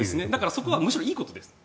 そこはむしろいいことです。